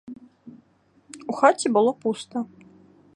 У хаце было пуста.